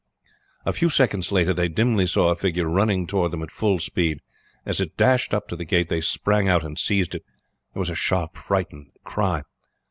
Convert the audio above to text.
A few seconds later they dimly saw a figure running toward them at full speed. As it dashed up to the gate they sprang out and seized it. There was a sharp frightened cry.